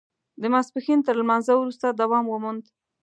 د ماسپښین تر لمانځه وروسته دوام وموند.